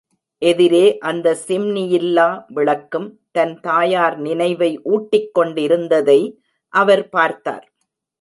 எதிரே அந்த சிம்னியில்லா விளக்கும் தன் தாயார் நினைவை ஊட்டிக் கொண்டிருந்ததை அவர் பார்த்தார்.